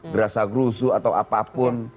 berasa grusu atau apapun